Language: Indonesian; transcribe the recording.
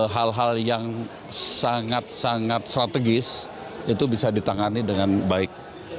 hal hal yang sangat sangat strategis itu bisa ditangani dengan baik